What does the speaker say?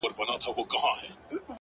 مسافر ليونى ـ